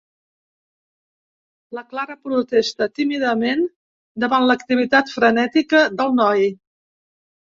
La Clara protesta tímidament davant l'activitat frenètica del noi.